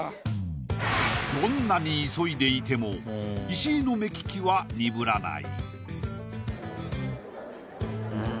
どんなに急いでいても石井の目利きは鈍らない